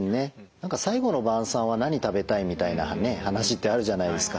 何か「最期の晩さんは何食べたい？」みたいな話ってあるじゃないですか。